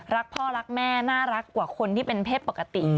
รักพ่อรักแม่น่ารักกว่าคนที่เป็นเพศปกติ